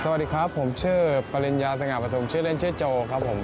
สวัสดีครับผมชื่อปริญญาสง่าประธมชื่อเล่นชื่อโจครับผม